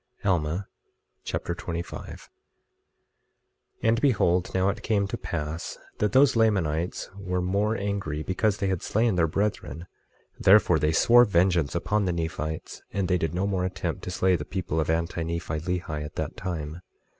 Alma Chapter 25 25:1 And behold, now it came to pass that those Lamanites were more angry because they had slain their brethren; therefore they swore vengeance upon the Nephites; and they did no more attempt to slay the people of Anti Nephi Lehi at that time.